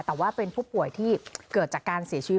แต่ว่าเป็นผู้ป่วยที่เกิดจากการเสียชีวิต